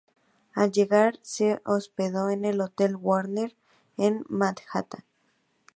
Al llegar se hospedó en el Hotel Warner, en Manhattan.